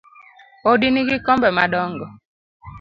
Odi nigi kombe madongo